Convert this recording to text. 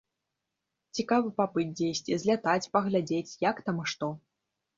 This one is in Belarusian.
Цікава пабыць дзесьці, злятаць, паглядзець, як там і што.